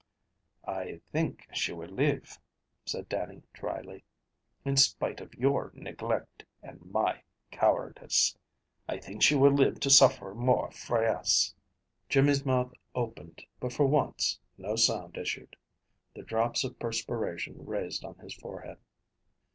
"I think she will live," said Dannie dryly. "In spite of your neglect, and my cowardice, I think she will live to suffer more frae us." Jimmy's mouth opened, but for once no sound issued. The drops of perspiration raised on his forehead.